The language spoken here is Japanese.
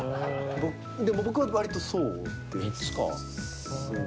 でも僕はわりとそうですね。